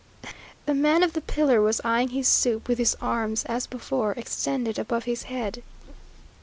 The man of the pillar was eyeing his soup, with his arms as before, extended above his head.